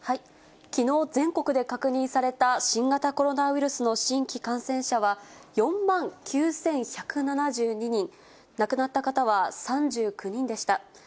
きのう、全国で確認された新型コロナウイルスの新規感染者は、４万９１７２人、亡くなった方は３９人でした。